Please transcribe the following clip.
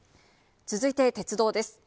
続いて鉄道です。